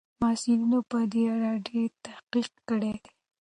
محصلینو په دې اړه ډېر تحقیق کړی دی.